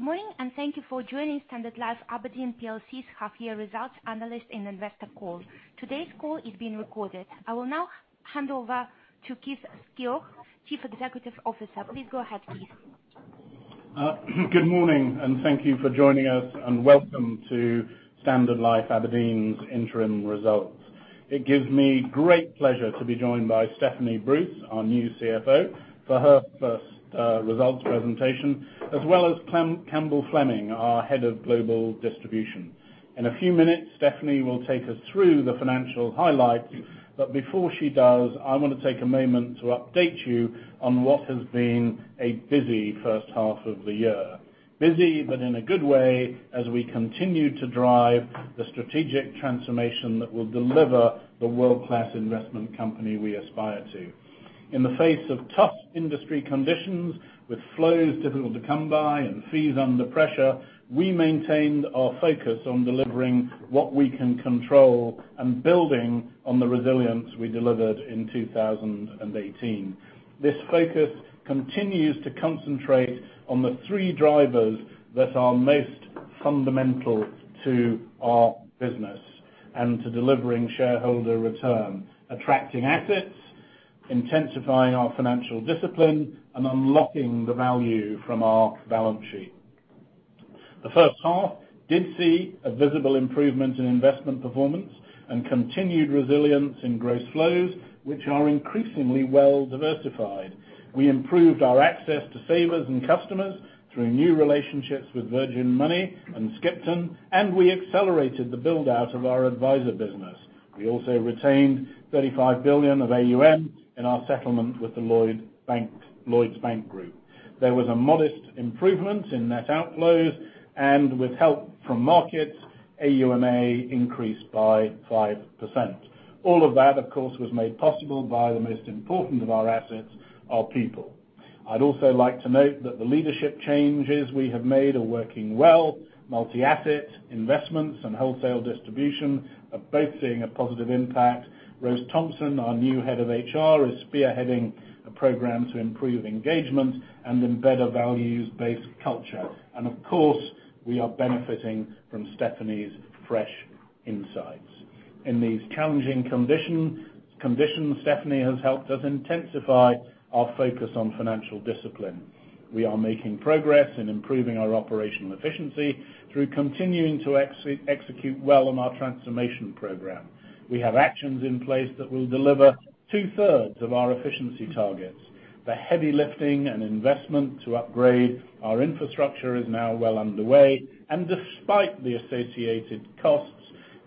Good morning, thank you for joining Standard Life Aberdeen PLC's half year results analyst and investor call. Today's call is being recorded. I will now hand over to Keith Skeoch, Chief Executive Officer. Please go ahead, Keith. Good morning, thank you for joining us, and welcome to Standard Life Aberdeen's interim results. It gives me great pleasure to be joined by Stephanie Bruce, our new CFO, for her first results presentation, as well as Campbell Fleming, our Head of Global Distribution. In a few minutes, Stephanie will take us through the financial highlights. Before she does, I want to take a moment to update you on what has been a busy first half of the year. Busy, but in a good way, as we continue to drive the strategic transformation that will deliver the world-class investment company we aspire to. In the face of tough industry conditions, with flows difficult to come by and fees under pressure, we maintained our focus on delivering what we can control and building on the resilience we delivered in 2018. This focus continues to concentrate on the three drivers that are most fundamental to our business and to delivering shareholder return: attracting assets, intensifying our financial discipline, and unlocking the value from our balance sheet. The first half did see a visible improvement in investment performance and continued resilience in gross flows, which are increasingly well diversified. We improved our access to savers and customers through new relationships with Virgin Money and Skipton, and we accelerated the build-out of our advisor business. We also retained 35 billion of AUM in our settlement with the Lloyds Banking Group. There was a modest improvement in net outflows, and with help from markets, AUMA increased by 5%. All of that, of course, was made possible by the most important of our assets, our people. I'd also like to note that the leadership changes we have made are working well. Multi-asset investments and wholesale distribution are both seeing a positive impact. Rose Thomson, our new head of HR, is spearheading a program to improve engagement and embed a values-based culture. Of course, we are benefiting from Stephanie's fresh insights. In these challenging conditions, Stephanie has helped us intensify our focus on financial discipline. We are making progress in improving our operational efficiency through continuing to execute well on our transformation program. We have actions in place that will deliver two-thirds of our efficiency targets. The heavy lifting and investment to upgrade our infrastructure is now well underway, and despite the associated costs,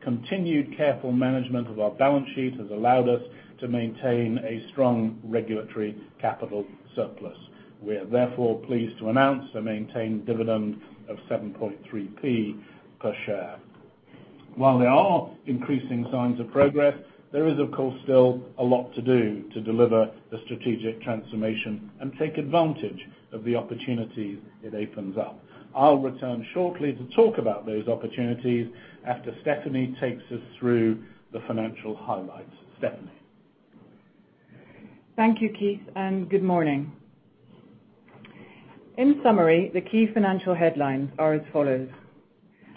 continued careful management of our balance sheet has allowed us to maintain a strong regulatory capital surplus. We are therefore pleased to announce a maintained dividend of 0.073 per share. While there are increasing signs of progress, there is, of course, still a lot to do to deliver the strategic transformation and take advantage of the opportunities it opens up. I'll return shortly to talk about those opportunities after Stephanie takes us through the financial highlights. Stephanie. Thank you, Keith, and good morning. In summary, the key financial headlines are as follows.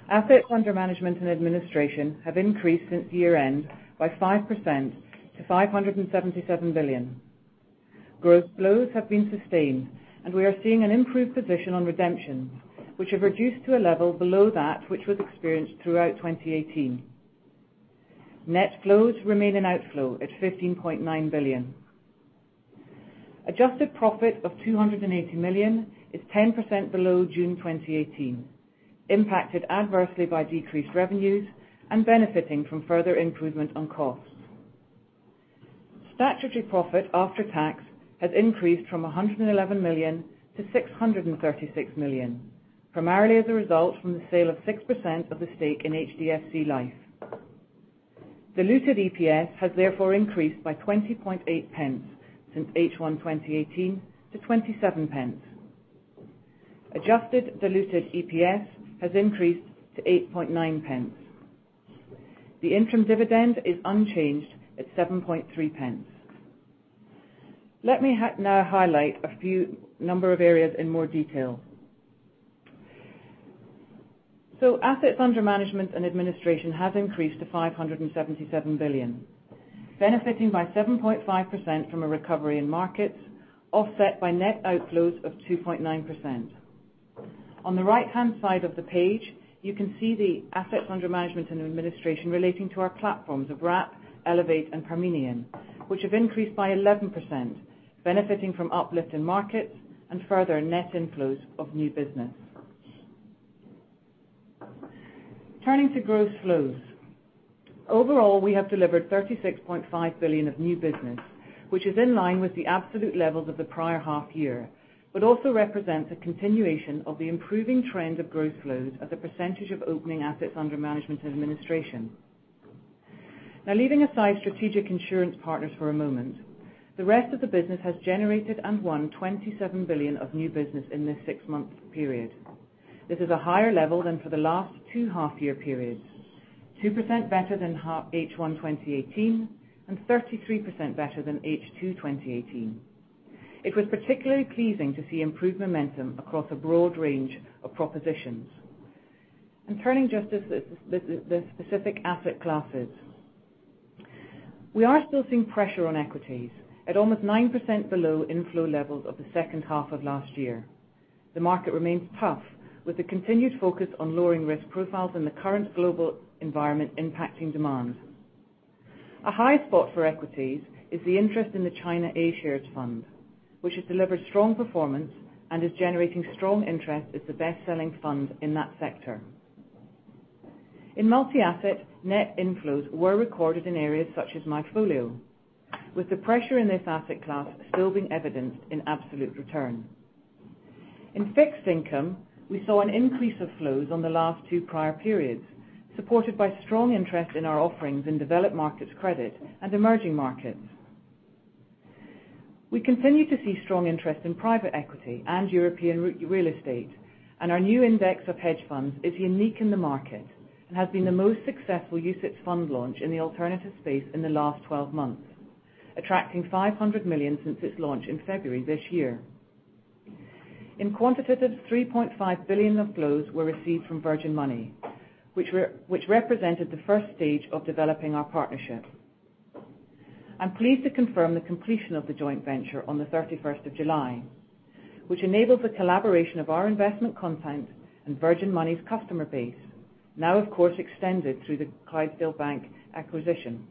Assets under management and administration have increased since year-end by 5% to 577 billion. Gross flows have been sustained, and we are seeing an improved position on redemptions, which have reduced to a level below that which was experienced throughout 2018. Net flows remain an outflow at 15.9 billion. Adjusted profit of 280 million is 10% below June 2018, impacted adversely by decreased revenues and benefiting from further improvement on costs. Statutory profit after tax has increased from 111 million to 636 million, primarily as a result from the sale of 6% of the stake in HDFC Life. Diluted EPS has therefore increased by 0.208 since H1 2018 to 0.27. Adjusted diluted EPS has increased to 0.089. The interim dividend is unchanged at 0.073. Let me now highlight a few number of areas in more detail. Assets under management and administration have increased to 577 billion, benefiting by 7.5% from a recovery in markets, offset by net outflows of 2.9%. On the right-hand side of the page, you can see the assets under management and administration relating to our platforms of Wrap, Elevate, and Parmenion, which have increased by 11%, benefiting from uplift in markets and further net inflows of new business. Turning to gross flows. Overall, we have delivered 36.5 billion of new business, which is in line with the absolute levels of the prior half year, but also represents a continuation of the improving trend of growth flows as a percentage of opening assets under management and administration. Leaving aside strategic insurance partners for a moment, the rest of the business has generated and won 27 billion of new business in this six-month period. This is a higher level than for the last two half-year periods. 2% better than H1 2018, and 33% better than H2 2018. It was particularly pleasing to see improved momentum across a broad range of propositions. Turning just to the specific asset classes. We are still seeing pressure on equities at almost 9% below inflow levels of the second half of last year. The market remains tough, with a continued focus on lowering risk profiles in the current global environment impacting demand. A high spot for equities is the interest in the China A-Shares fund, which has delivered strong performance and is generating strong interest as the best-selling fund in that sector. In multi-asset, net inflows were recorded in areas such as MyFolio, with the pressure in this asset class still being evidenced in absolute return. In fixed income, we saw an increase of flows on the last two prior periods, supported by strong interest in our offerings in developed markets credit and emerging markets. We continue to see strong interest in private equity and European real estate, and our new index of hedge funds is unique in the market and has been the most successful UCITS fund launch in the alternative space in the last 12 months, attracting 500 million since its launch in February this year. In quantitative, 3.5 billion of flows were received from Virgin Money, which represented the stage 1 of developing our partnership. I'm pleased to confirm the completion of the joint venture on the 31st of July, which enables the collaboration of our investment content and Virgin Money's customer base, now of course extended through the Clydesdale Bank acquisition.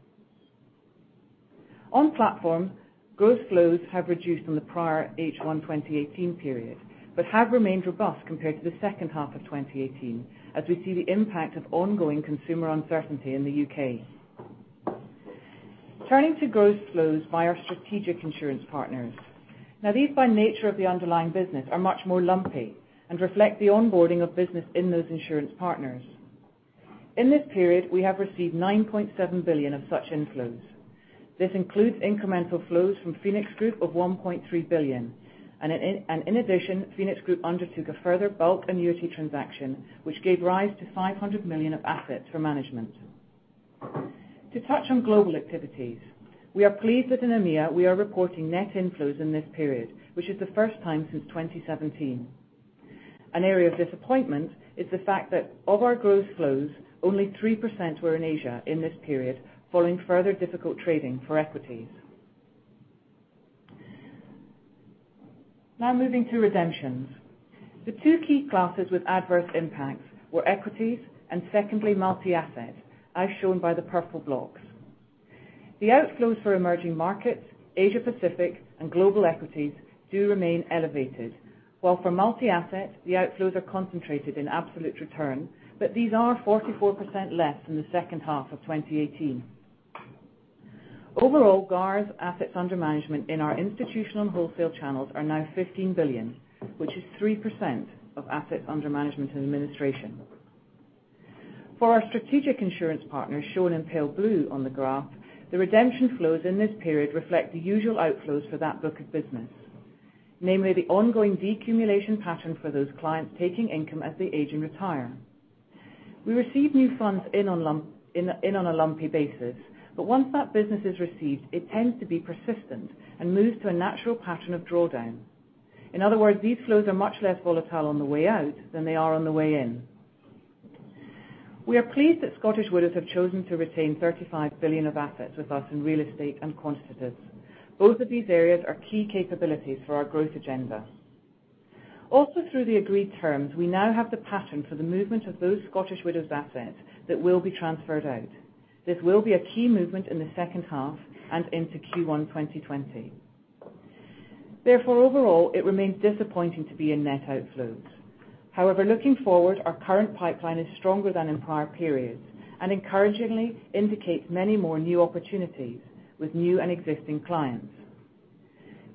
On platform, gross flows have reduced from the prior H1 2018 period but have remained robust compared to the second half of 2018, as we see the impact of ongoing consumer uncertainty in the U.K. Turning to gross flows by our strategic insurance partners. These, by nature of the underlying business, are much more lumpy and reflect the onboarding of business in those insurance partners. In this period, we have received 9.7 billion of such inflows. This includes incremental flows from Phoenix Group of 1.3 billion, and in addition, Phoenix Group undertook a further bulk annuity transaction, which gave rise to 500 million of assets for management. To touch on global activities, we are pleased that in EMEA, we are reporting net inflows in this period, which is the first time since 2017. An area of disappointment is the fact that of our gross flows, only 3% were in Asia in this period, following further difficult trading for equities. Moving to redemptions. The two key classes with adverse impacts were equities and secondly, multi-asset, as shown by the purple blocks. The outflows for emerging markets, Asia Pacific, and global equities do remain elevated, while for multi-asset, the outflows are concentrated in absolute return, these are 44% less than the second half of 2018. Overall, GARS assets under management in our institutional wholesale channels are now 15 billion, which is 3% of assets under management and administration. For our strategic insurance partners, shown in pale blue on the graph, the redemption flows in this period reflect the usual outflows for that book of business, namely the ongoing decumulation pattern for those clients taking income as they age and retire. We receive new funds in on a lumpy basis, but once that business is received, it tends to be persistent and moves to a natural pattern of drawdown. In other words, these flows are much less volatile on the way out than they are on the way in. We are pleased that Scottish Widows have chosen to retain 35 billion of assets with us in real estate and quantitatives. Both of these areas are key capabilities for our growth agenda. Through the agreed terms, we now have the pattern for the movement of those Scottish Widows assets that will be transferred out. This will be a key movement in the second half and into Q1 2020. Overall, it remains disappointing to be in net outflows. Looking forward, our current pipeline is stronger than in prior periods and encouragingly indicates many more new opportunities with new and existing clients.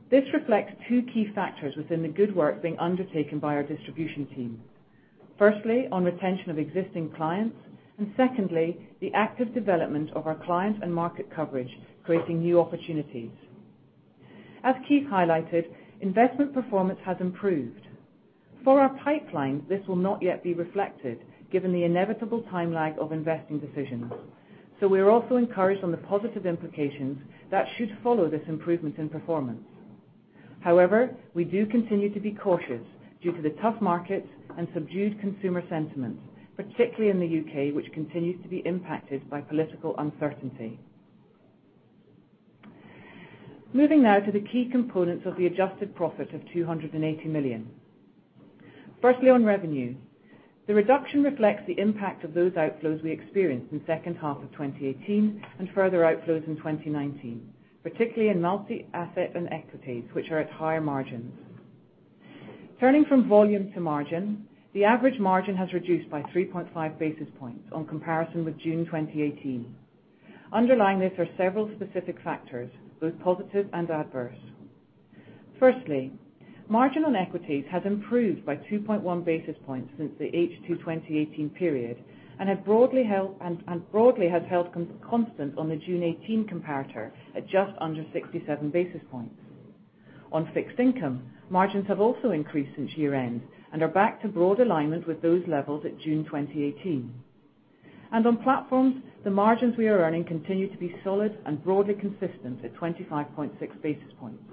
This reflects two key factors within the good work being undertaken by our distribution team. Firstly, on retention of existing clients, and secondly, the active development of our client and market coverage, creating new opportunities. As Keith highlighted, investment performance has improved. For our pipeline, this will not yet be reflected given the inevitable time lag of investing decisions. We are also encouraged on the positive implications that should follow this improvement in performance. However, we do continue to be cautious due to the tough markets and subdued consumer sentiment, particularly in the U.K., which continues to be impacted by political uncertainty. Moving now to the key components of the adjusted profit of 280 million. Firstly, on revenue. The reduction reflects the impact of those outflows we experienced in second half of 2018 and further outflows in 2019, particularly in multi-asset and equities, which are at higher margins. Turning from volume to margin, the average margin has reduced by 3.5 basis points on comparison with June 2018. Underlying this are several specific factors, both positive and adverse. Firstly, margin on equities has improved by 2.1 basis points since the H2 2018 period, and broadly has held constant on the June 2018 comparator at just under 67 basis points. On fixed income, margins have also increased since year-end and are back to broad alignment with those levels at June 2018. On platforms, the margins we are earning continue to be solid and broadly consistent at 25.6 basis points.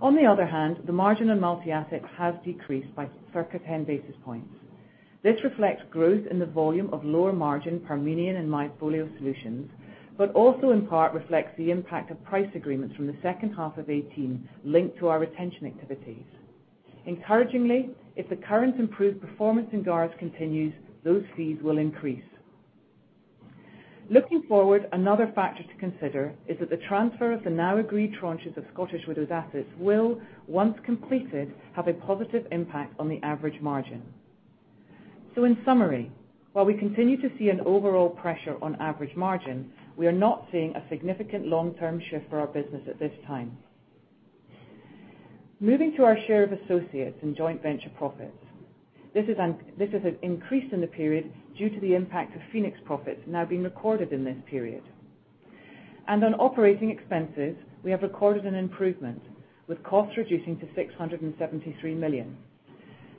On the other hand, the margin on multi-assets has decreased by circa 10 basis points. This reflects growth in the volume of lower margin Parmenion and MyFolio solutions, but also in part reflects the impact of price agreements from the second half of 2018 linked to our retention activities. Encouragingly, if the current improved performance in GARS continues, those fees will increase. Looking forward, another factor to consider is that the transfer of the now agreed tranches of Scottish Widows assets will, once completed, have a positive impact on the average margin. In summary, while we continue to see an overall pressure on average margin, we are not seeing a significant long-term shift for our business at this time. Moving to our share of associates in joint venture profits. This has increased in the period due to the impact of Phoenix profits now being recorded in this period. On operating expenses, we have recorded an improvement, with costs reducing to 673 million.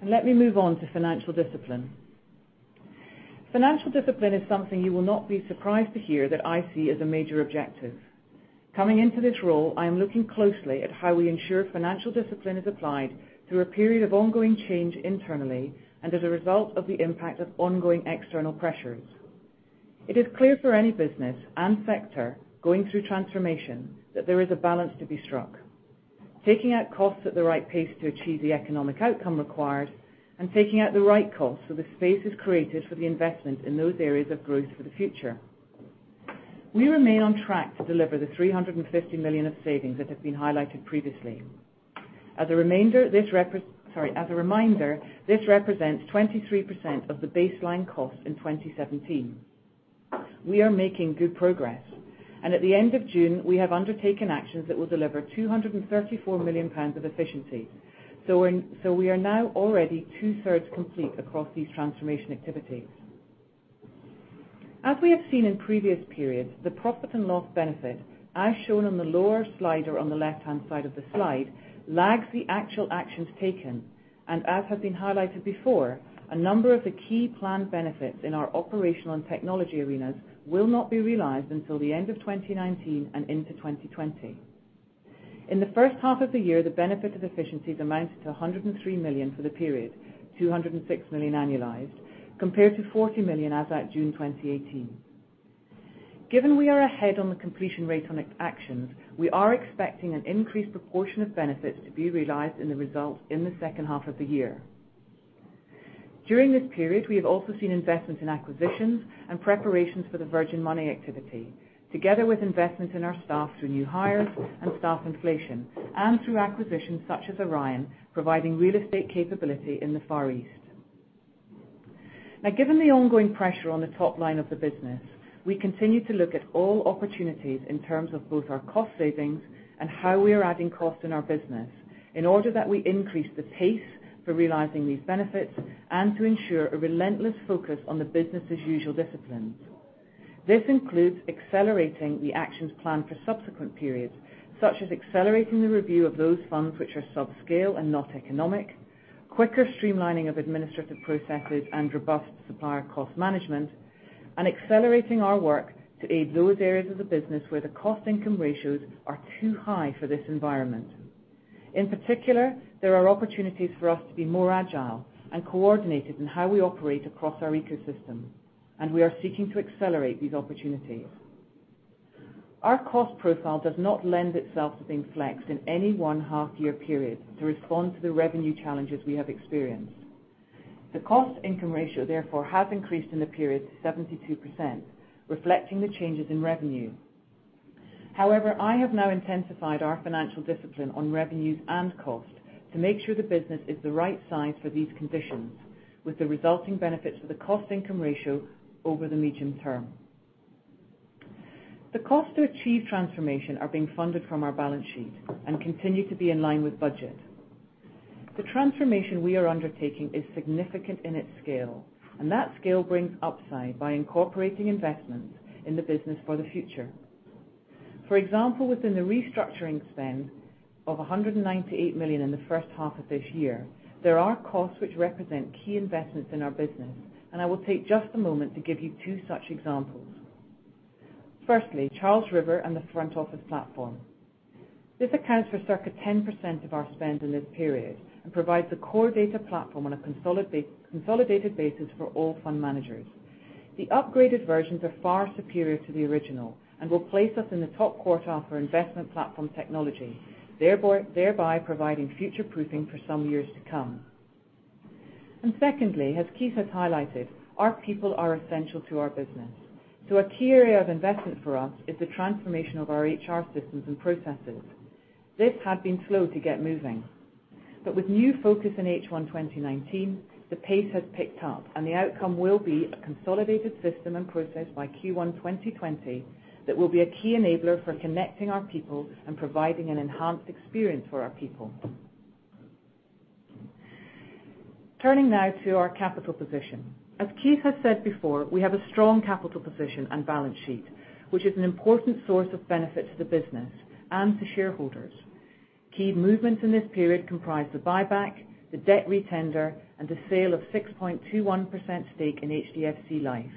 Let me move on to financial discipline. Financial discipline is something you will not be surprised to hear that I see as a major objective. Coming into this role, I am looking closely at how we ensure financial discipline is applied through a period of ongoing change internally and as a result of the impact of ongoing external pressures. It is clear for any business and sector going through transformation, that there is a balance to be struck. Taking out costs at the right pace to achieve the economic outcome required, taking out the right costs so the space is created for the investment in those areas of growth for the future. We remain on track to deliver the 350 million of savings that have been highlighted previously. As a reminder, this represents 23% of the baseline cost in 2017. We are making good progress. At the end of June, we have undertaken actions that will deliver 234 million pounds of efficiency. We are now already two-thirds complete across these transformation activities. As we have seen in previous periods, the profit and loss benefit, as shown on the lower slider on the left-hand side of the slide, lags the actual actions taken, and as has been highlighted before, a number of the key planned benefits in our operational and technology arenas will not be realized until the end of 2019 and into 2020. In the first half of the year, the benefit of efficiencies amounted to 103 million for the period, 206 million annualized, compared to 40 million as at June 2018. Given we are ahead on the completion rate on actions, we are expecting an increased proportion of benefits to be realized in the results in the second half of the year. During this period, we have also seen investments in acquisitions and preparations for the Virgin Money activity, together with investments in our staff through new hires and staff inflation, and through acquisitions such as Orion, providing real estate capability in the Far East. Given the ongoing pressure on the top line of the business, we continue to look at all opportunities in terms of both our cost savings and how we are adding cost in our business in order that we increase the pace for realizing these benefits and to ensure a relentless focus on the business as usual disciplines. This includes accelerating the actions planned for subsequent periods, such as accelerating the review of those funds which are subscale and not economic, quicker streamlining of administrative processes and robust supplier cost management, and accelerating our work to aid those areas of the business where the cost-income ratios are too high for this environment. In particular, there are opportunities for us to be more agile and coordinated in how we operate across our ecosystem, and we are seeking to accelerate these opportunities. Our cost profile does not lend itself to being flexed in any one half-year period to respond to the revenue challenges we have experienced. The cost-income ratio, therefore, has increased in the period to 72%, reflecting the changes in revenue. However, I have now intensified our financial discipline on revenues and cost to make sure the business is the right size for these conditions, with the resulting benefits for the cost-income ratio over the medium term. The cost to achieve transformation are being funded from our balance sheet and continue to be in line with budget. The transformation we are undertaking is significant in its scale, and that scale brings upside by incorporating investments in the business for the future. For example, within the restructuring spend of 198 million in the first half of this year, there are costs which represent key investments in our business, and I will take just a moment to give you two such examples. Firstly, Charles River and the front office platform. This accounts for circa 10% of our spend in this period and provides the core data platform on a consolidated basis for all fund managers. The upgraded versions are far superior to the original and will place us in the top quartile for investment platform technology, thereby providing future-proofing for some years to come. Secondly, as Keith has highlighted, our people are essential to our business. A key area of investment for us is the transformation of our HR systems and processes. This had been slow to get moving. With new focus in H1 2019, the pace has picked up, and the outcome will be a consolidated system and process by Q1 2020 that will be a key enabler for connecting our people and providing an enhanced experience for our people. Turning now to our capital position. As Keith has said before, we have a strong capital position and balance sheet, which is an important source of benefit to the business and to shareholders. Key movements in this period comprise the buyback, the debt retender, and the sale of 6.21% stake in HDFC Life.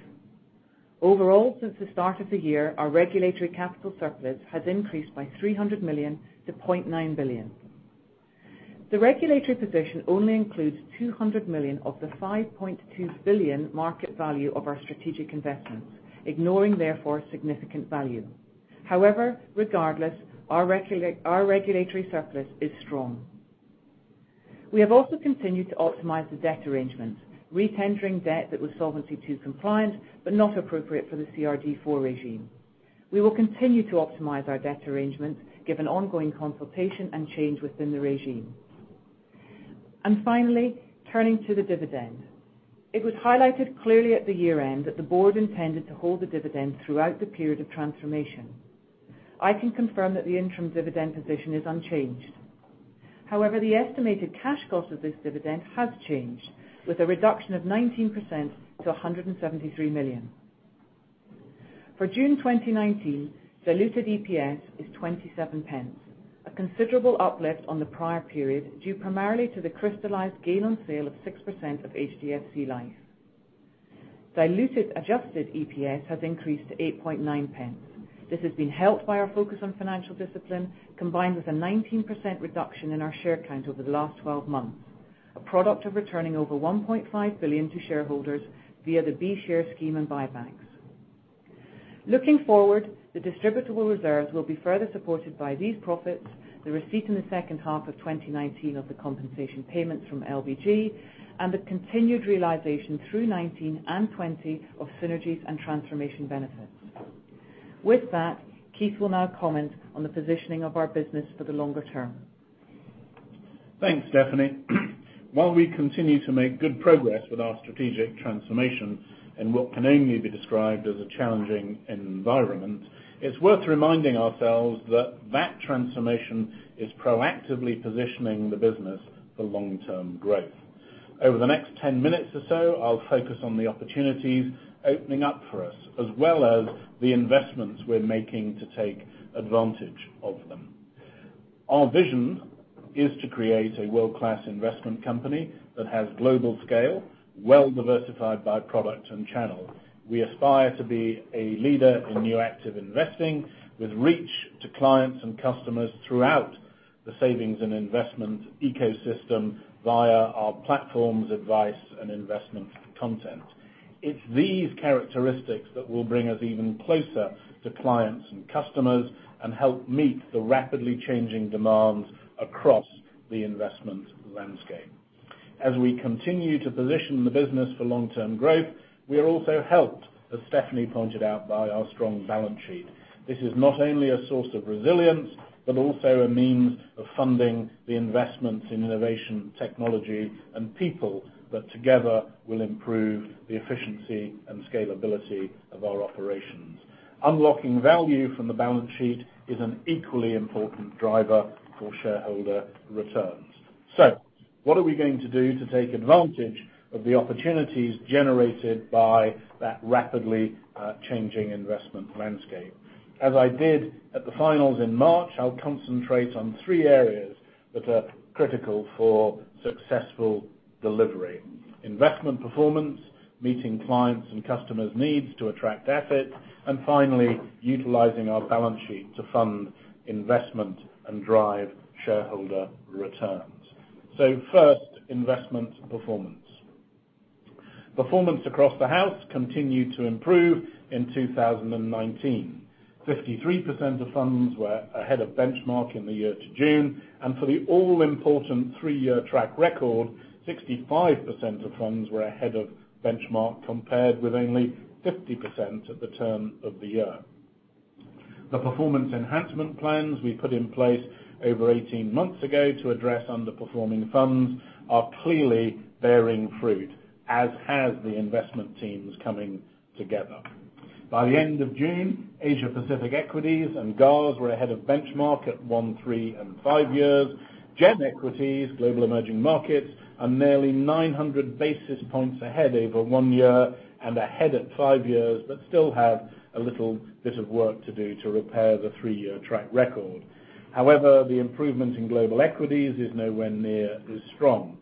Overall, since the start of the year, our regulatory capital surplus has increased by 300 million to 0.9 billion. The regulatory position only includes 200 million of the 5.2 billion market value of our strategic investments, ignoring therefore, significant value. However, regardless, our regulatory surplus is strong. We have also continued to optimize the debt arrangements, retendering debt that was Solvency II compliant but not appropriate for the CRD IV regime. We will continue to optimize our debt arrangements given ongoing consultation and change within the regime. Finally, turning to the dividend. It was highlighted clearly at the year end that the board intended to hold the dividend throughout the period of transformation. I can confirm that the interim dividend position is unchanged. The estimated cash cost of this dividend has changed, with a reduction of 19% to 173 million. For June 2019, diluted EPS is 0.27, a considerable uplift on the prior period, due primarily to the crystallized gain on sale of 6% of HDFC Life. Diluted adjusted EPS has increased to 0.089. This has been helped by our focus on financial discipline, combined with a 19% reduction in our share count over the last 12 months, a product of returning over 1.5 billion to shareholders via the B share scheme and buybacks. Looking forward, the distributable reserves will be further supported by these profits, the receipt in the second half of 2019 of the compensation payments from LBG, and the continued realization through 2019 and 2020 of synergies and transformation benefits. With that, Keith will now comment on the positioning of our business for the longer term. Thanks, Stephanie. While we continue to make good progress with our strategic transformation in what can only be described as a challenging environment, it's worth reminding ourselves that that transformation is proactively positioning the business for long-term growth. Over the next 10 minutes or so, I'll focus on the opportunities opening up for us as well as the investments we're making to take advantage of them. Our vision is to create a world-class investment company that has global scale, well diversified by product and channel. We aspire to be a leader in new active investing with reach to clients and customers throughout the savings and investment ecosystem via our platforms, advice, and investment content. It's these characteristics that will bring us even closer to clients and customers and help meet the rapidly changing demands across the investment landscape. As we continue to position the business for long-term growth, we are also helped, as Stephanie pointed out, by our strong balance sheet. This is not only a source of resilience, but also a means of funding the investments in innovation, technology, and people that together will improve the efficiency and scalability of our operations. Unlocking value from the balance sheet is an equally important driver for shareholder returns. What are we going to do to take advantage of the opportunities generated by that rapidly changing investment landscape? As I did at the finals in March, I'll concentrate on three areas that are critical for successful delivery. Investment performance, meeting clients and customers' needs to attract assets, and finally, utilizing our balance sheet to fund investment and drive shareholder returns. First, investment performance. Performance across the house continued to improve in 2019. 53% of funds were ahead of benchmark in the year to June, and for the all-important three-year track record, 65% of funds were ahead of benchmark, compared with only 50% at the turn of the year. The performance enhancement plans we put in place over 18 months ago to address underperforming funds are clearly bearing fruit, as have the investment teams coming together. By the end of June, Asia Pacific Equities and GARS were ahead of benchmark at one, three, and five years. GEM Equities, Global Emerging Markets are nearly 900 basis points ahead over one year and ahead at five years, but still have a little bit of work to do to repair the three-year track record. However, the improvement in global equities is nowhere near as strong.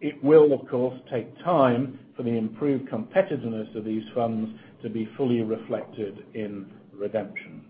It will, of course, take time for the improved competitiveness of these funds to be fully reflected in redemptions.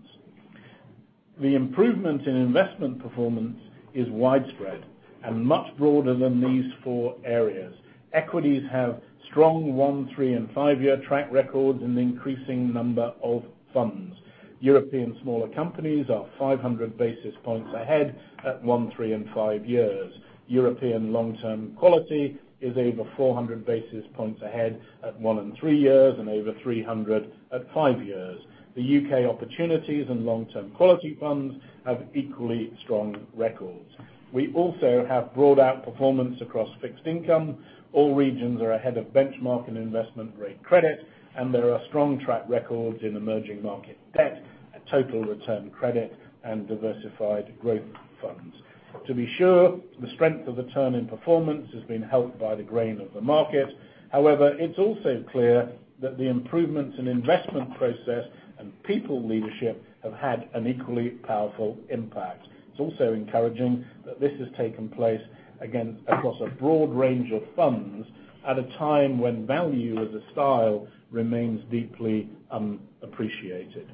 The improvement in investment performance is widespread and much broader than these four areas. Equities have strong one, three, and five-year track records in an increasing number of funds. European smaller companies are 500 basis points ahead at one, three, and five years. European long-term quality is over 400 basis points ahead at one and three years and over 300 at five years. The U.K. opportunities and long-term quality funds have equally strong records. We also have broad outperformance across fixed income. All regions are ahead of benchmark and investment-grade credit, and there are strong track records in emerging market debt, a total return credit, and diversified growth funds. To be sure, the strength of the turn in performance has been helped by the grain of the market. It's also clear that the improvements in investment process, people leadership have had an equally powerful impact. It's also encouraging that this has taken place, again, across a broad range of funds at a time when value as a style remains deeply appreciated.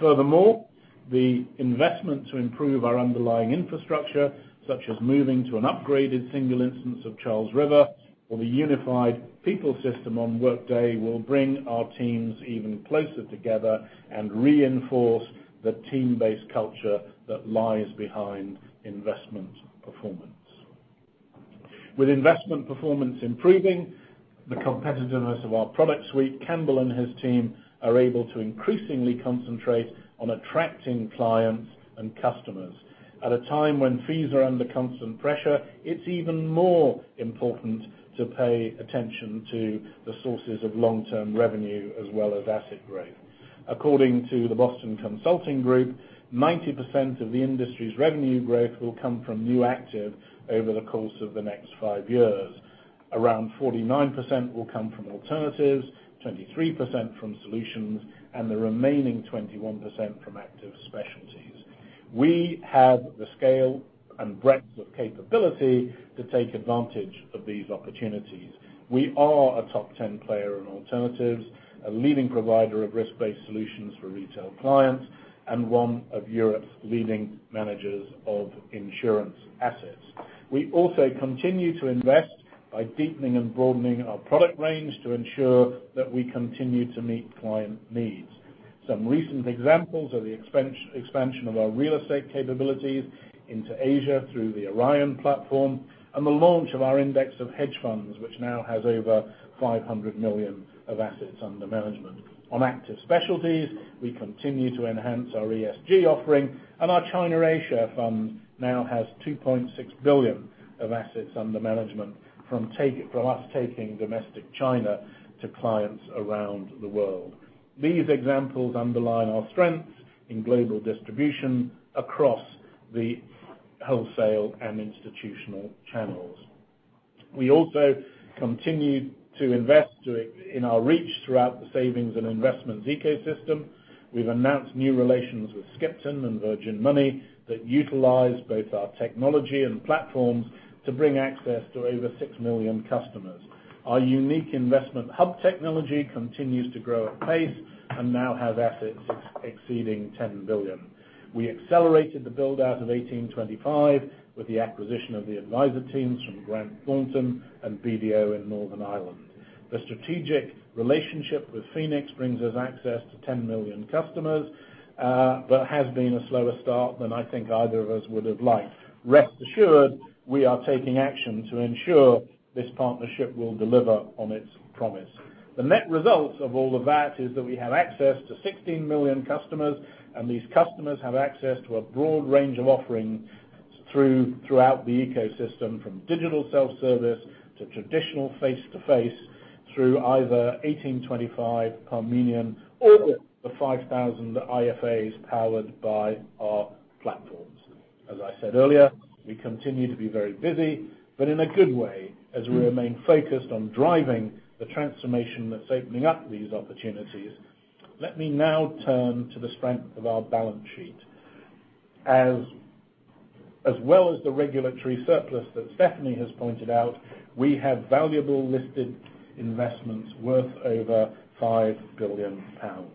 Furthermore, the investment to improve our underlying infrastructure, such as moving to an upgraded single instance of Charles River or the unified people system on Workday, will bring our teams even closer together and reinforce the team-based culture that lies behind investment performance. With investment performance improving the competitiveness of our product suite, Campbell and his team are able to increasingly concentrate on attracting clients and customers. At a time when fees are under constant pressure, it's even more important to pay attention to the sources of long-term revenue as well as asset growth. According to the Boston Consulting Group, 90% of the industry's revenue growth will come from new active over the course of the next five years. Around 49% will come from alternatives, 23% from solutions, and the remaining 21% from active specialties. We have the scale and breadth of capability to take advantage of these opportunities. We are a top 10 player in alternatives, a leading provider of risk-based solutions for retail clients, and one of Europe's leading managers of insurance assets. We also continue to invest by deepening and broadening our product range to ensure that we continue to meet client needs. Some recent examples are the expansion of our real estate capabilities into Asia through the Orion platform, and the launch of our index of hedge funds, which now has over 500 million of assets under management. On active specialties, we continue to enhance our ESG offering, and our China A-Shares fund now has 2.6 billion of assets under management from us taking domestic China to clients around the world. These examples underline our strengths in global distribution across the wholesale and institutional channels. We also continue to invest in our reach throughout the savings and investments ecosystem. We've announced new relations with Skipton and Virgin Money that utilize both our technology and platforms to bring access to over six million customers. Our unique investment hub technology continues to grow at pace and now has assets exceeding 10 billion. We accelerated the build-out of 1825 with the acquisition of the advisor teams from Grant Thornton and BDO in Northern Ireland. The strategic relationship with Phoenix brings us access to 10 million customers, but has been a slower start than I think either of us would have liked. Rest assured, we are taking action to ensure this partnership will deliver on its promise. The net result of all of that is that we have access to 16 million customers, and these customers have access to a broad range of offerings throughout the ecosystem, from digital self-service to traditional face-to-face, through either 1825, Parmenion or the 5,000 IFAs powered by our platforms. As I said earlier, we continue to be very busy, but in a good way, as we remain focused on driving the transformation that's opening up these opportunities. Let me now turn to the strength of our balance sheet. As well as the regulatory surplus that Stephanie has pointed out, we have valuable listed investments worth over 5 billion pounds.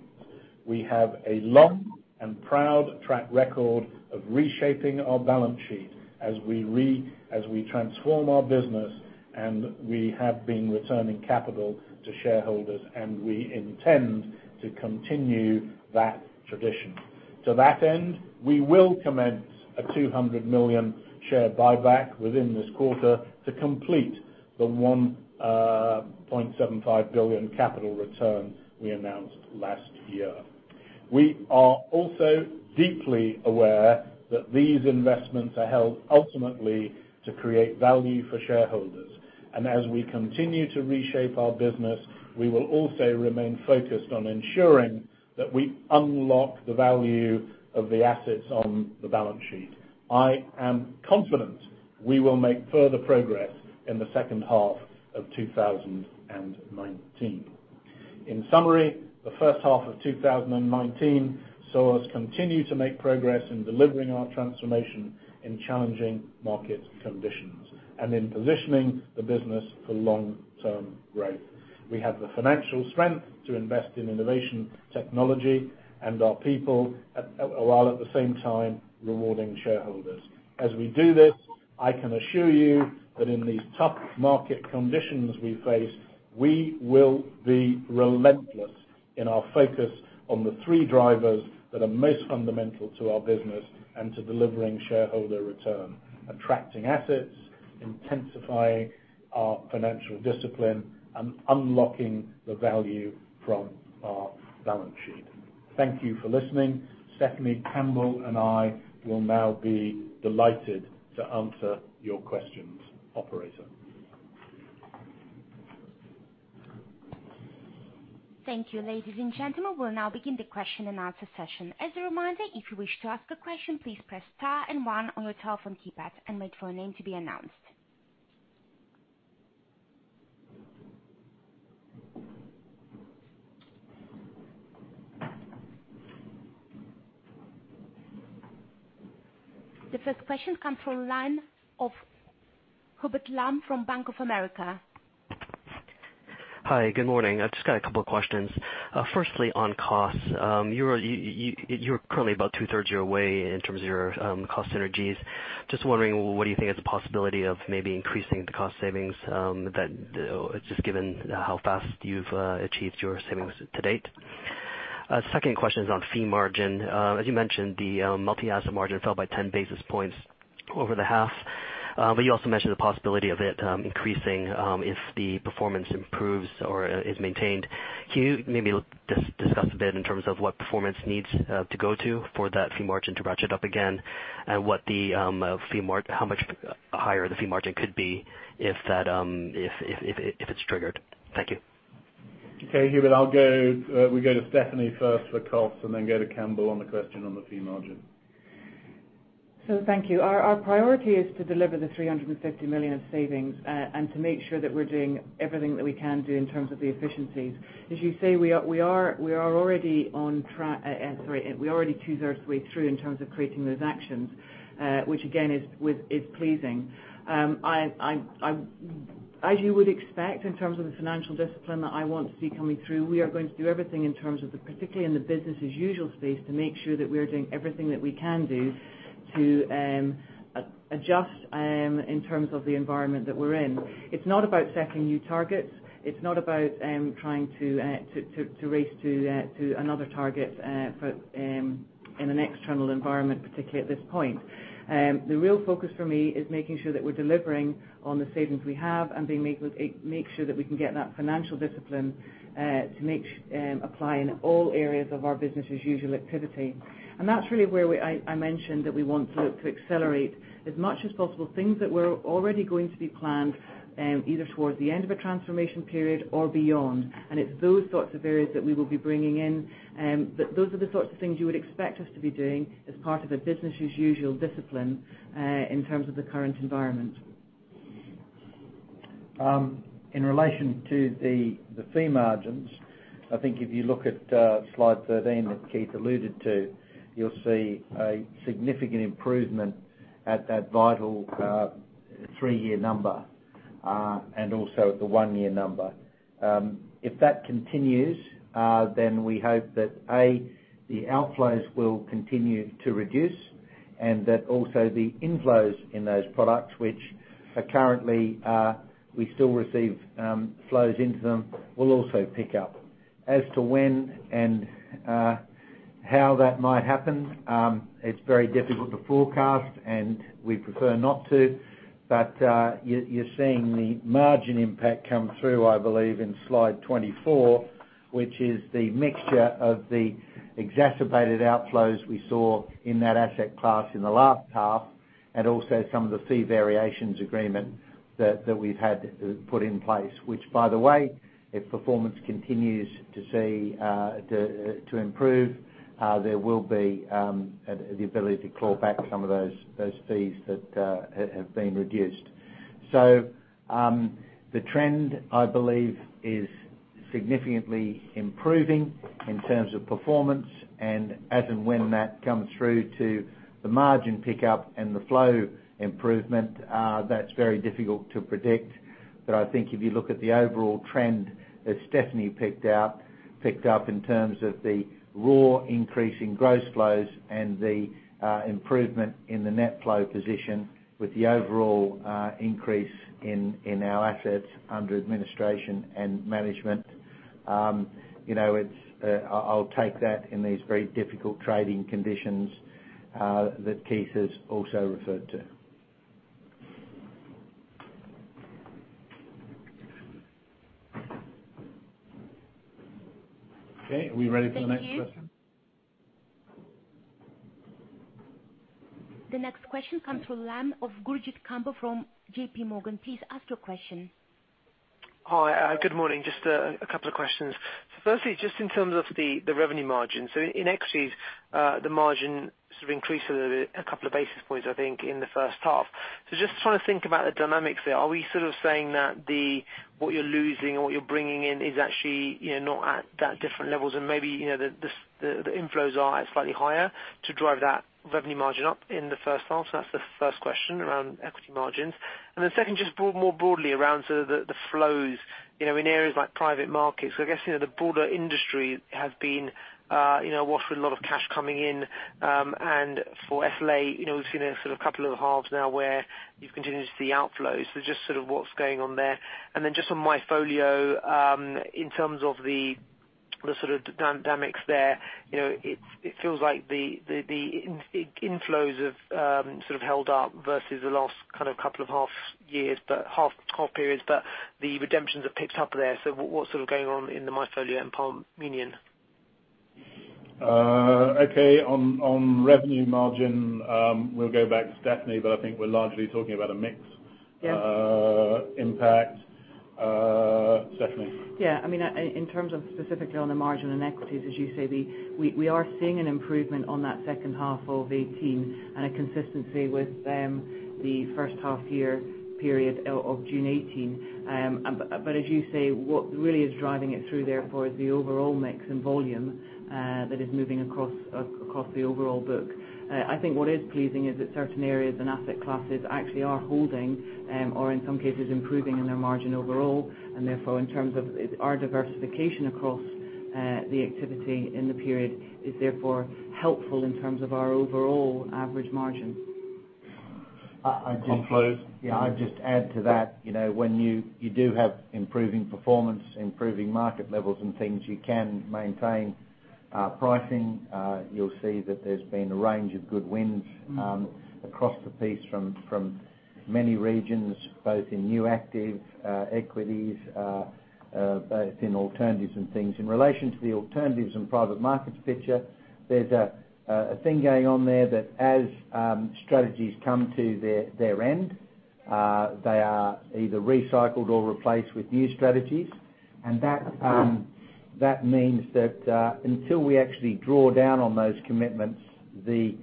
We have a long and proud track record of reshaping our balance sheet as we transform our business, and we have been returning capital to shareholders, and we intend to continue that tradition. To that end, we will commence a 200 million share buyback within this quarter to complete the 1.75 billion capital return we announced last year. We are also deeply aware that these investments are held ultimately to create value for shareholders. As we continue to reshape our business, we will also remain focused on ensuring that we unlock the value of the assets on the balance sheet. I am confident we will make further progress in the second half of 2019. In summary, the first half of 2019 saw us continue to make progress in delivering our transformation in challenging market conditions and in positioning the business for long-term growth. We have the financial strength to invest in innovation technology and our people, while at the same time rewarding shareholders. As we do this, I can assure you that in these tough market conditions we face, we will be relentless in our focus on the three drivers that are most fundamental to our business and to delivering shareholder return: attracting assets, intensifying our financial discipline, and unlocking the value from our balance sheet. Thank you for listening. Stephanie, Campbell, and I will now be delighted to answer your questions. Operator? Thank you. Ladies and gentlemen, we'll now begin the question and answer session. As a reminder, if you wish to ask a question, please press star and one on your telephone keypad and wait for your name to be announced. The first question comes from line of Hubert Lam from Bank of America. Hi, good morning. I've just got a couple of questions. Firstly, on costs. You're currently about two-thirds of your way in terms of your cost synergies. Just wondering, what do you think is the possibility of maybe increasing the cost savings, just given how fast you've achieved your savings to date? Second question is on fee margin. As you mentioned, the multi-asset margin fell by 10 basis points over the half. You also mentioned the possibility of it increasing, if the performance improves or is maintained. Can you maybe discuss a bit in terms of what performance needs to go to for that fee margin to ratchet up again, and how much higher the fee margin could be if it's triggered? Thank you. Okay, Hubert. We go to Stephanie first for costs and then go to Campbell on the question on the fee margin. Thank you. Our priority is to deliver the 350 million of savings, and to make sure that we're doing everything that we can do in terms of the efficiencies. As you say, we are already two-thirds way through in terms of creating those actions, which again is pleasing. As you would expect in terms of the financial discipline that I want to see coming through, we are going to do everything in terms of the, particularly in the business as usual space, to make sure that we are doing everything that we can do to adjust in terms of the environment that we're in. It's not about setting new targets. It's not about trying to race to another target, in an external environment, particularly at this point. The real focus for me is making sure that we're delivering on the savings we have and make sure that we can get that financial discipline to apply in all areas of our business as usual activity. That's really where I mentioned that we want to look to accelerate as much as possible things that were already going to be planned, either towards the end of a transformation period or beyond. It's those sorts of areas that we will be bringing in. Those are the sorts of things you would expect us to be doing as part of a business as usual discipline, in terms of the current environment. In relation to the fee margins, I think if you look at slide 13 that Keith alluded to, you'll see a significant improvement at that vital three-year number, and also at the one-year number. If that continues, we hope that, A, the outflows will continue to reduce, and that also the inflows in those products, which are currently we still receive flows into them, will also pick up. As to when and how that might happen, it's very difficult to forecast, and we prefer not to. You're seeing the margin impact come through, I believe in slide 24, which is the mixture of the exacerbated outflows we saw in that asset class in the last half, and also some of the fee variations agreement that we've had put in place. Which by the way, if performance continues to improve, there will be the ability to claw back some of those fees that have been reduced. The trend, I believe, is significantly improving in terms of performance. As and when that comes through to the margin pickup and the flow improvement, that's very difficult to predict. I think if you look at the overall trend that Stephanie picked up in terms of the raw increase in gross flows and the improvement in the net flow position with the overall increase in our assets under administration and management. I'll take that in these very difficult trading conditions that Keith has also referred to. Okay. Are we ready for the next question? Thank you. The next question comes from line of Gurjit Kambo from JPMorgan. Please ask your question. Hi. Good morning. Just a couple of questions. Firstly, just in terms of the revenue margins. In equities, the margin sort of increased a couple of basis points, I think, in the first half. Just trying to think about the dynamics there. Are we sort of saying that what you're losing or what you're bringing in is actually not at that different levels and maybe, the inflows are slightly higher to drive that revenue margin up in the first half? That's the first question around equity margins. Then second, just more broadly around the flows. In areas like private markets, I guess, the broader industry have been washed with a lot of cash coming in. For SLA, we've seen a couple of halves now where you've continued to see outflows. Just what's going on there? Just on MyFolio, in terms of the sort of dynamics there. It feels like the inflows have sort of held up versus the last couple of half periods, but the redemptions have picked up there. What's going on in the MyFolio and Parmenion? Okay. On revenue margin, we'll go back to Stephanie, but I think we're largely talking about a mix- Yeah impact. Stephanie? Yeah. In terms of specifically on the margin and equities, as you say, we are seeing an improvement on that second half of 2018, and a consistency with the first half year period of June 2018. As you say, what really is driving it through therefore is the overall mix and volume that is moving across the overall book. I think what is pleasing is that certain areas and asset classes actually are holding, or in some cases improving in their margin overall. Therefore, in terms of our diversification across the activity in the period is therefore helpful in terms of our overall average margin. On flows. Yeah. I'd just add to that. When you do have improving performance, improving market levels and things, you can maintain pricing. You'll see that there's been a range of good wins across the piece from many regions, both in new active equities, both in alternatives and things. In relation to the alternatives and private markets picture, there's a thing going on there that as strategies come to their end, they are either recycled or replaced with new strategies. That means that, until we actually draw down on those commitments, the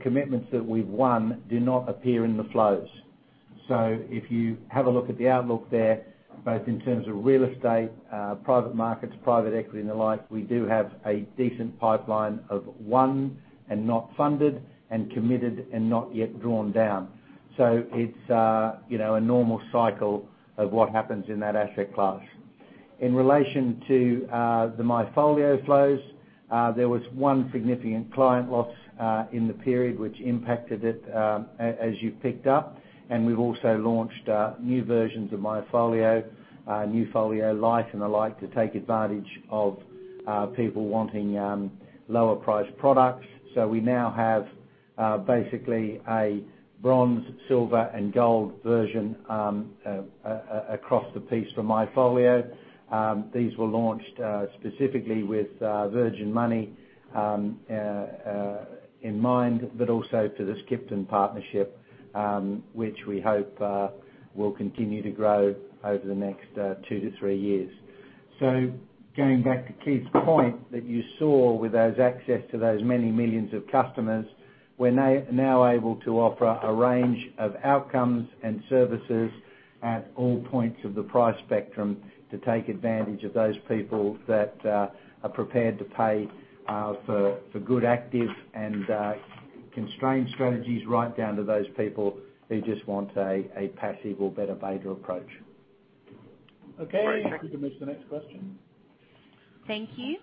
commitments that we've won do not appear in the flows. If you have a look at the outlook there, both in terms of real estate, private markets, private equity and the like, we do have a decent pipeline of won and not funded and committed and not yet drawn down. It's a normal cycle of what happens in that asset class. In relation to the MyFolio flows, there was one significant client loss in the period which impacted it, as you picked up. We've also launched new versions of MyFolio Lite and the like, to take advantage of people wanting lower priced products. We now have basically a bronze, silver and gold version across the piece for MyFolio. These were launched specifically with Virgin Money in mind, but also for the Skipton partnership, which we hope will continue to grow over the next two to three years. Going back to Keith's point that you saw with those access to those many millions of customers, we are now able to offer a range of outcomes and services at all points of the price spectrum to take advantage of those people that are prepared to pay for good, active, and constrained strategies, right down to those people who just want a passive or beta approach. Okay. You can move to the next question. Thank you.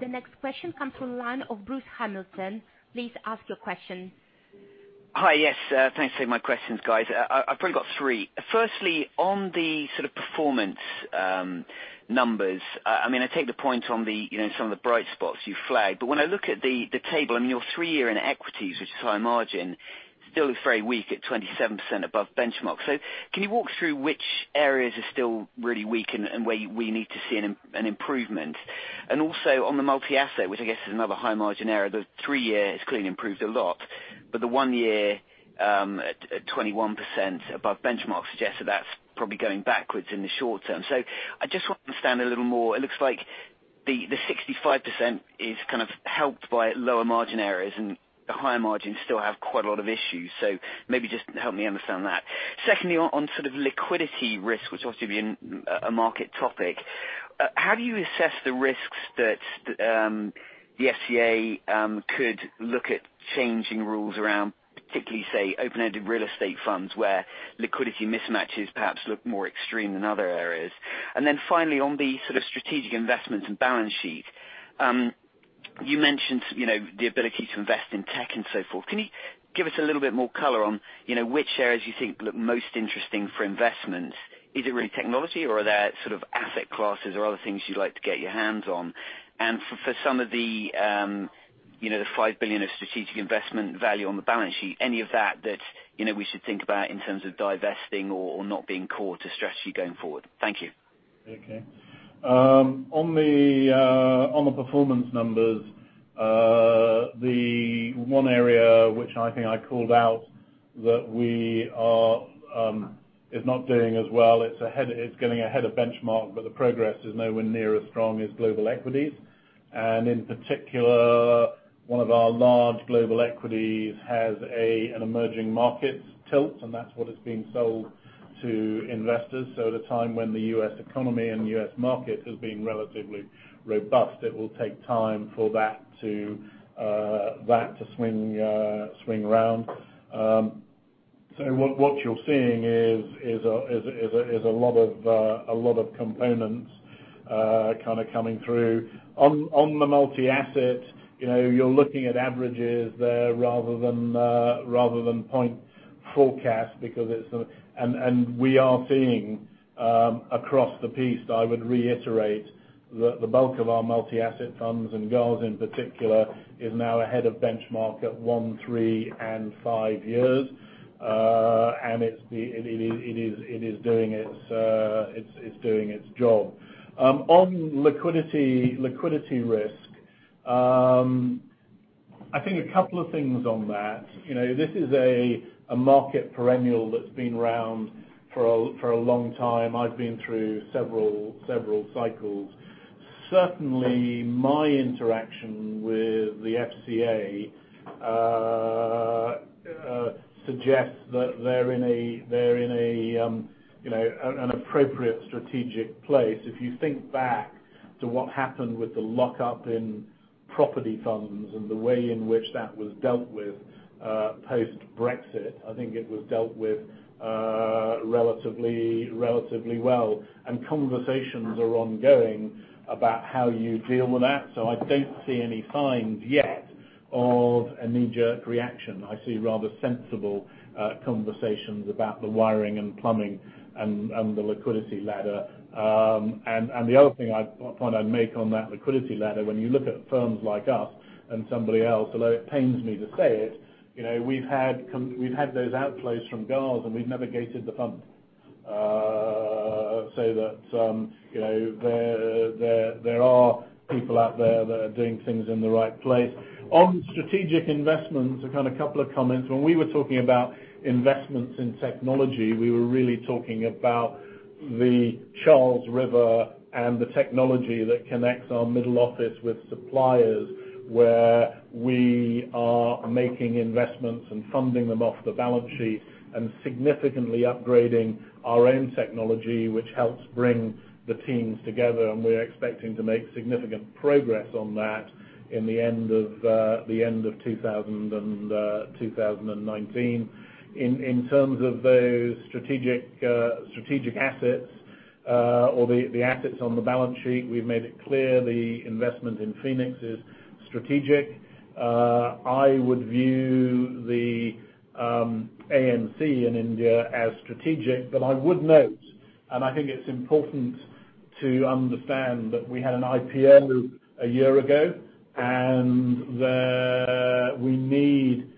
The next question comes from the line of Bruce Hamilton. Please ask your question. Hi. Yes, thanks for taking my questions, guys. I've probably got three. Firstly, on the sort of performance numbers, I take the point on some of the bright spots you flagged. When I look at the table, your three-year in equities, which is high margin, still looks very weak at 27% above benchmark. Can you walk through which areas are still really weak and where we need to see an improvement? Also on the multi-asset, which I guess is another high margin area, the three-year has clearly improved a lot. The one-year at 21% above benchmark suggests that that's probably going backwards in the short term. I just want to understand a little more. It looks like the 65% is kind of helped by lower margin areas and the higher margins still have quite a lot of issues. Maybe just help me understand that. Secondly, on sort of liquidity risk, which obviously will be a market topic, how do you assess the risks that the FCA could look at changing rules around, particularly, say, open-ended real estate funds where liquidity mismatches perhaps look more extreme than other areas? Finally, on the sort of strategic investments and balance sheet. You mentioned the ability to invest in tech and so forth. Can you give us a little bit more color on which areas you think look most interesting for investment? Is it really technology or are there sort of asset classes or other things you'd like to get your hands on? For some of the 5 billion of strategic investment value on the balance sheet, any of that that we should think about in terms of divesting or not being core to strategy going forward? Thank you. On the performance numbers, the one area which I think I called out that is not doing as well, it's getting ahead of benchmark, but the progress is nowhere near as strong, is Global Equities. In particular, one of our large Global Equities has an Emerging Markets tilt, and that's what is being sold to investors. At a time when the U.S. economy and U.S. market has been relatively robust, it will take time for that to swing around. What you're seeing is a lot of components kind of coming through. On the Multi-Asset, you're looking at averages there rather than point forecast. We are seeing across the piece, I would reiterate, the bulk of our Multi-Asset funds, and GARS in particular, is now ahead of benchmark at one, three, and five years. It is doing its job. On liquidity risk. I think a couple of things on that. This is a market perennial that's been around for a long time. I've been through several cycles. Certainly, my interaction with the FCA suggests that they're in an appropriate strategic place. If you think back to what happened with the lockup in property funds and the way in which that was dealt with post-Brexit, I think it was dealt with relatively well, and conversations are ongoing about how you deal with that. I don't see any signs yet of a knee-jerk reaction. I see rather sensible conversations about the wiring and plumbing and the liquidity ladder. The other thing I thought I'd make on that liquidity ladder, when you look at firms like us and somebody else, although it pains me to say it, we've had those outflows from GARS, and we've navigated the fund. There are people out there that are doing things in the right place. On strategic investments, a couple of comments. When we were talking about investments in technology, we were really talking about the Charles River and the technology that connects our middle office with suppliers, where we are making investments and funding them off the balance sheet and significantly upgrading our own technology, which helps bring the teams together, and we're expecting to make significant progress on that in the end of 2019. In terms of those strategic assets or the assets on the balance sheet, we've made it clear the investment in Phoenix is strategic. I would view the AMC in India as strategic. I would note, I think it's important to understand, that we had an IPO a year ago, that we need,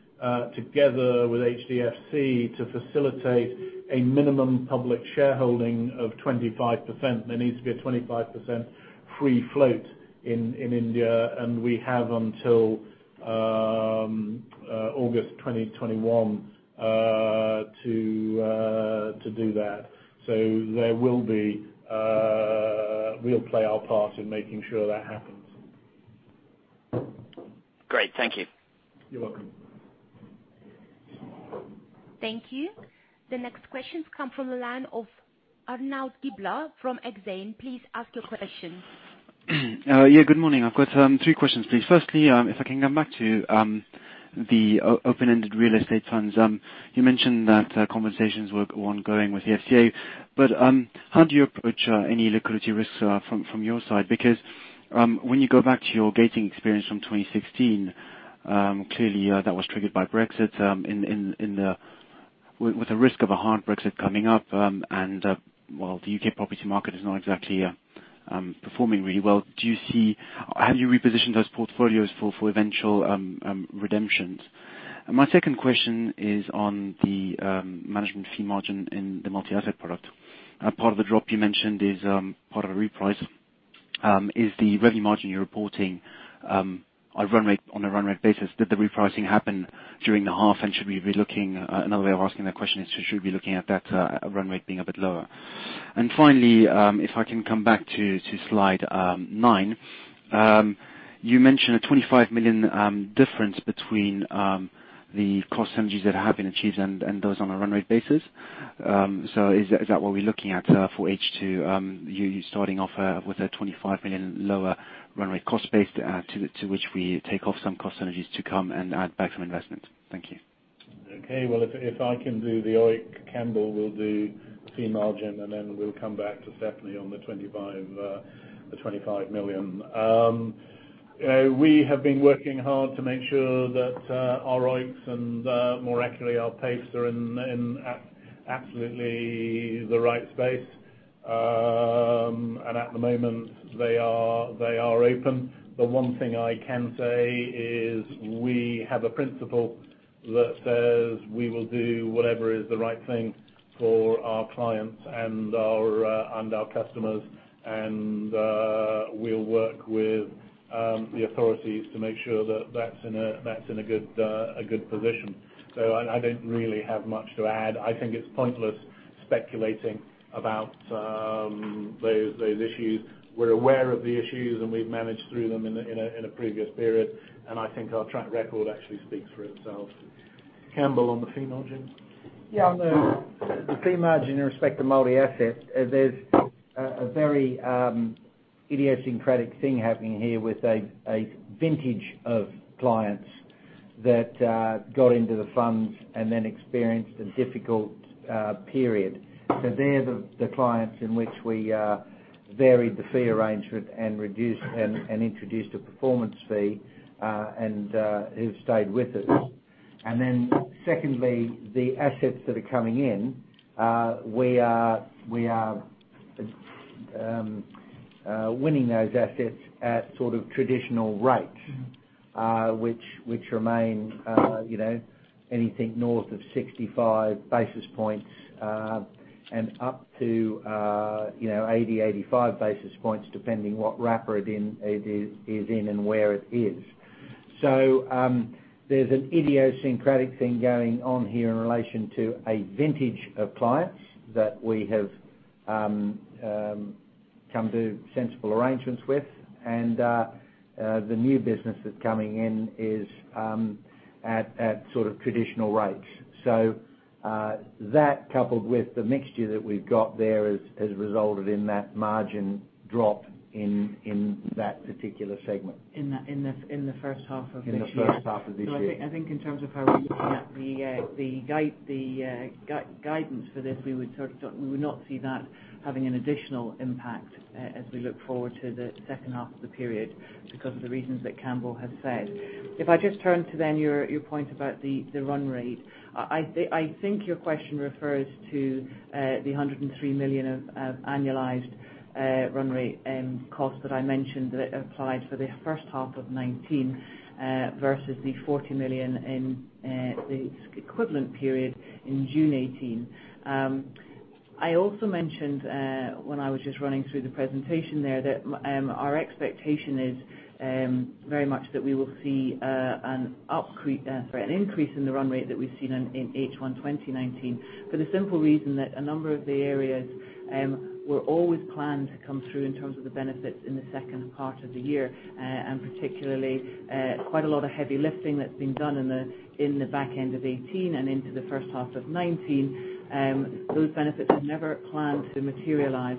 together with HDFC, to facilitate a minimum public shareholding of 25%. There needs to be a 25% free float in India. We have until August 2021 to do that. We'll play our part in making sure that happens. Great. Thank you. You're welcome. Thank you. The next questions come from the line of Arnaud Giblat from Exane. Please ask your question. Good morning. I've got three questions, please. Firstly, if I can come back to the open-ended real estate funds. You mentioned that conversations were ongoing with the FCA. How do you approach any liquidity risks from your side? When you go back to your gating experience from 2016, clearly, that was triggered by Brexit. With the risk of a hard Brexit coming up, and while the U.K. property market is not exactly performing really well, have you repositioned those portfolios for eventual redemptions? My second question is on the management fee margin in the multi-asset product. Part of the drop you mentioned is part of a reprice. Is the revenue margin you're reporting on a run rate basis? Did the repricing happen during the half? Another way of asking that question is, should we be looking at that run rate being a bit lower? Finally, if I can come back to Slide nine. You mentioned a 25 million difference between the cost synergies that have been achieved and those on a run rate basis. Is that what we're looking at for H2, you starting off with a 25 million lower run rate cost base to which we take off some cost synergies to come and add back some investment? Thank you. Okay. If I can do the OEIC, Campbell will do fee margin, then we'll come back to Stephanie on the 25 million. We have been working hard to make sure that our OEICs and more accurately our PAIFs are in absolutely the right space. At the moment, they are open. The one thing I can say is we have a principle that says we will do whatever is the right thing for our clients and our customers. We'll work with the authorities to make sure that that's in a good position. I don't really have much to add. I think it's pointless speculating about those issues. We're aware of the issues, we've managed through them in a previous period, I think our track record actually speaks for itself. Campbell, on the fee margin. Yeah, on the fee margin in respect to multi-asset, there's a very idiosyncratic thing happening here with a vintage of clients that got into the funds and then experienced a difficult period. They're the clients in which we varied the fee arrangement and introduced a performance fee and who've stayed with us. Secondly, the assets that are coming in, we are winning those assets at traditional rates which remain anything north of 65 basis points and up to 80, 85 basis points, depending what wrapper it is in and where it is. There's an idiosyncratic thing going on here in relation to a vintage of clients that we have come to sensible arrangements with. The new business that's coming in is at traditional rates. That, coupled with the mixture that we've got there, has resulted in that margin drop in that particular segment. In the first half of this year. In the first half of this year. I think in terms of how we're looking at the guidance for this, we would not see that having an additional impact as we look forward to the second half of the period because of the reasons that Campbell has said. If I just turn to your point about the run rate. I think your question refers to the 103 million of annualized run rate cost that I mentioned that applied for the first half of 2019 versus the 40 million in the equivalent period in June 2018. I also mentioned, when I was just running through the presentation there, that our expectation is very much that we will see an increase in the run rate that we've seen in H1 2019. For the simple reason that a number of the areas were always planned to come through in terms of the benefits in the second part of the year. Particularly, quite a lot of heavy lifting that's been done in the back end of 2018 and into the first half of 2019. Those benefits were never planned to materialize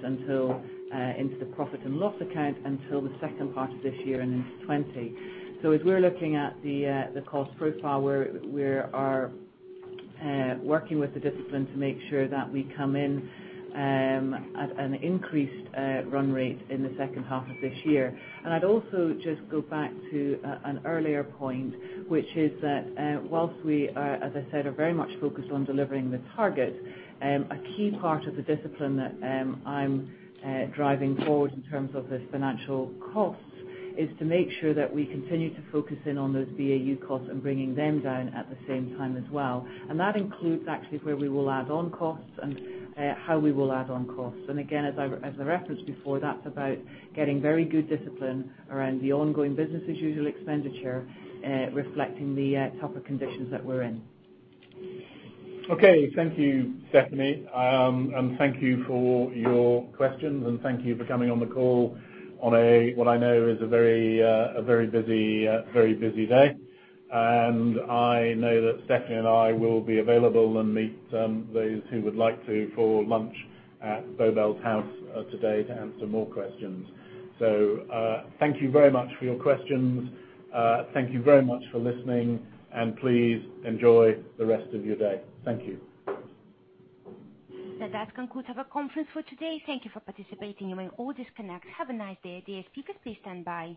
into the profit and loss account until the second part of this year and into 2020. As we're looking at the cost profile, we are working with the discipline to make sure that we come in at an increased run rate in the second half of this year. I'd also just go back to an earlier point, which is that whilst we are, as I said, are very much focused on delivering the target. A key part of the discipline that I'm driving forward in terms of the financial costs is to make sure that we continue to focus in on those BAU costs and bringing them down at the same time as well. That includes actually where we will add on costs and how we will add on costs. Again, as I referenced before, that's about getting very good discipline around the ongoing business as usual expenditure, reflecting the tougher conditions that we're in. Okay. Thank you, Stephanie. Thank you for your questions, and thank you for coming on the call on what I know is a very busy day. I know that Stephanie and I will be available and meet those who would like to for lunch at Bow Bells House today to answer more questions. Thank you very much for your questions. Thank you very much for listening, and please enjoy the rest of your day. Thank you. That concludes our conference for today. Thank you for participating. You may all disconnect. Have a nice day. The speakers, please stand by.